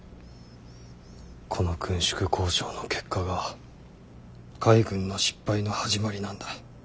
この軍縮交渉の結果が海軍の失敗の始まりなんだ。